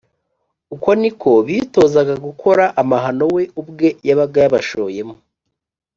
uko ni ko bitozaga gukora amahano we ubwe yabaga yabashoyemo